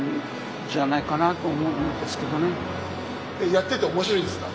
やってて面白いですか？